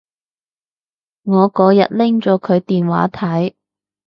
我嗰日拎咗佢電話睇